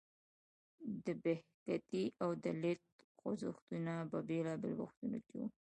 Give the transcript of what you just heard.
د بکهتي او دلیت خوځښتونه په بیلابیلو وختونو کې وو.